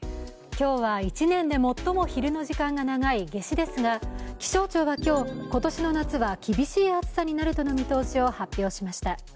今日は一年で最も昼の時間が長い夏至ですが気象庁は今日、今年の夏は厳しい暑さになるとの見通しを発表しました。